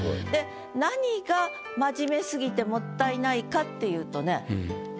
何がまじめすぎてもったいないかっていうとね。